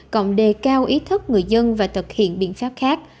còn đề cao ý thức người dân và thực hiện biện pháp khác